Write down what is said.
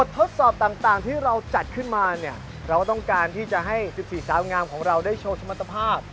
สถสอบต่างที่เราจัดขึ้นมาเราต้องการที่จะให้สิบสี่สาวงามของเราได้โชว์ชมัติภาพ